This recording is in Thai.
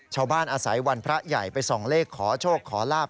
อาศัยวันพระใหญ่ไปส่องเลขขอโชคขอลาบ